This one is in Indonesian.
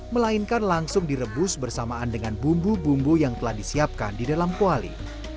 melainkan langsung direbus bersamaan dengan bumbu bumbu yang telah disiapkan di dalam kuali